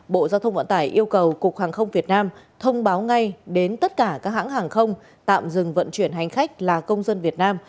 bộ giao thông vận tải yêu cầu cục hàng không việt nam thông báo ngay đến tất cả các hãng hàng không tạm dừng vận chuyển hành khách là công dân việt nam